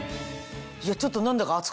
ちょっと何だか。